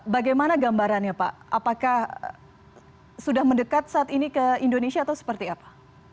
bagaimana gambarannya pak apakah sudah mendekat saat ini ke indonesia atau seperti apa